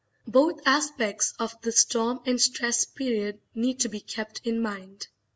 Both aspects of the "storm and stress" period need to be kept in mind.